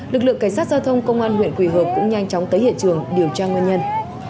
lực lượng cảnh sát giao thông công an huyện quỳ hợp cũng nhanh chóng tới hiện trường điều tra nguyên nhân